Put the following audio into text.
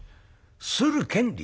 「する権利？